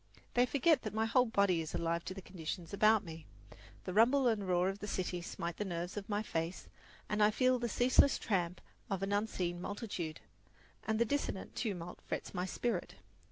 They forget that my whole body is alive to the conditions about me. The rumble and roar of the city smite the nerves of my face, and I feel the ceaseless tramp of an unseen multitude, and the dissonant tumult frets my spirit.